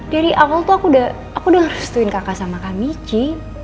dari awal tuh aku udah ngerustuin kakak sama kak michi